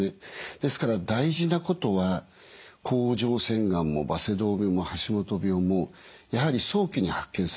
ですから大事なことは甲状腺がんもバセドウ病も橋本病もやはり早期に発見することです。